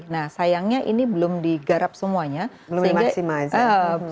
nah sayangnya ini belum digarap semuanya belum dimaksimal